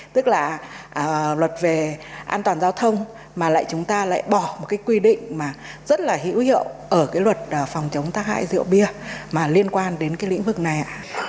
tức là luật về an toàn giao thông mà lại chúng ta lại bỏ một cái quy định mà rất là hữu hiệu ở cái luật phòng chống tác hại rượu bia mà liên quan đến cái lĩnh vực này ạ